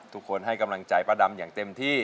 ทุกคนให้กำลังใจประดำอย่างเต็มที่